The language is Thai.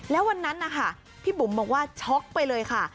แล้ววันนั้นนะคะพี่บุ๋มบอกว่าช็อกไปเลยค่ะ